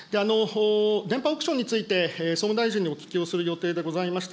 電波オークションについて、総務大臣にお聞きをする予定でございました。